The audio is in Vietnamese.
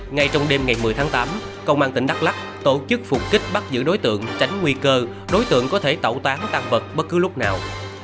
ngay trong đêm ngày một mươi tháng tám công an tỉnh đắk lắc tổ chức phục kích bắt giữ đối tượng tránh nguy cơ đối tượng có thể tẩu tán tăng vật bất cứ lúc nào